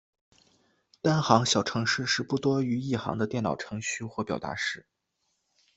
单行小程式是不多于一行的电脑程序或表达式。